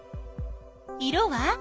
色は？